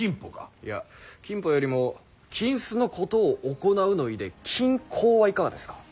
いや「金舗」よりも「金子のことを行う」の意で「金行」はいかがですか。